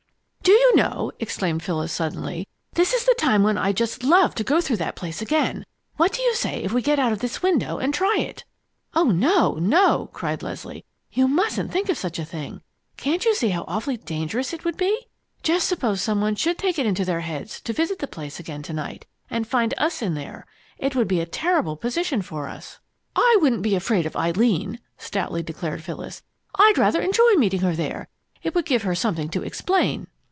"Do you know," exclaimed Phyllis suddenly, "this is the time when I'd just love to go through that place again! What do you say if we get out of this window and try it?" "Oh, no, no!" cried Leslie. "You mustn't think of such a thing! Can't you see how awfully dangerous it would be? Just suppose some one should take it into their heads to visit the place again to night and find us in there. It would be a terrible position for us!" "I wouldn't be afraid of Eileen!" stoutly declared Phyllis. "I'd rather enjoy meeting her there. It would give her something to explain!"